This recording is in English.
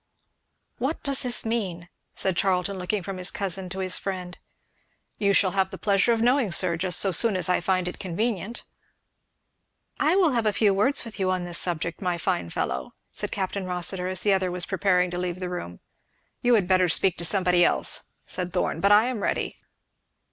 "What does this mean?" said Charlton looking from his cousin to his friend. "You shall have the pleasure of knowing, sir, just so soon as I find it convenient." "I will have a few words with you on this subject, my fine fellow," said Capt. Rossitur, as the other was preparing to leave the room. "You had better speak to somebody else," said Thorn. "But I am ready."